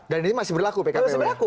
dan ini masih berlaku pkpu